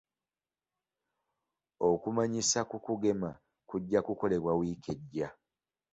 Okumanyisa ku kugema kujja kukolebwa wiiki ejja.